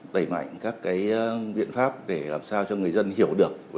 đẩy mạnh các biện pháp để làm sao cho người dân hiểu được